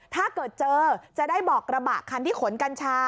ถ้าเกิดเจอจะได้บอกกระบะคันที่ขนกัญชา